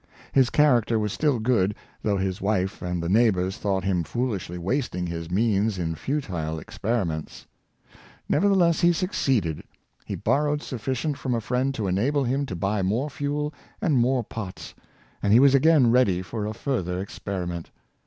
His character was still good, though his wife and the neighbors thought him foolishly wasting his means in futile experiments. Nevertheless he succeeded. He borrowed sufficient from a friend to enable him to buy more fuel and more pots, and he was again ready for a further experiment.